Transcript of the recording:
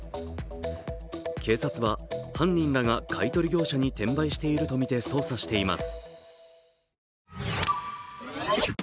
警察は、犯人らが買い取り業者に転売しているとみて捜査しています。